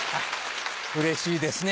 うれしいですね